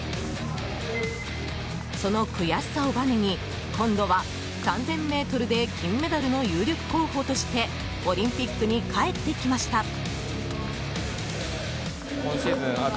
その悔しさをばねに今度は３０００ｍで金メダルの有力候補としてオリンピックに帰ってきました。